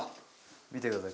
見てください。